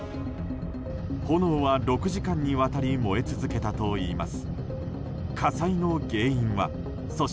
炎は６時間にわたり燃え続けたといいます。